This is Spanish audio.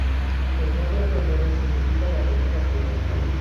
El nombre Penedo significa la pequeña piedra.